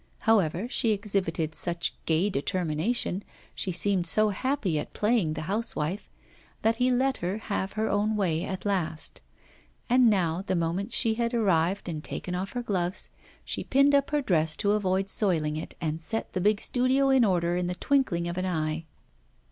However, she exhibited such gay determination, she seemed so happy at playing the housewife, that he let her have her own way at last. And now, the moment she had arrived and taken off her gloves, she pinned up her dress to avoid soiling it, and set the big studio in order in the twinkling of an eye.